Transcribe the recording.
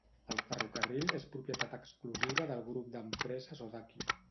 El ferrocarril és propietat exclusiva del grup d'empreses Odakyu.